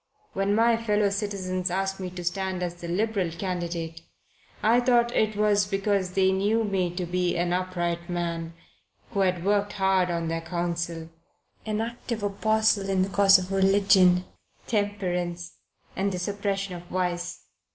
When my fellow citizens asked me to stand as the Liberal candidate, I thought it was because they knew me to be an upright man, who had worked hard on their council, an active apostle in the cause of religion, temperance and the suppression of vice.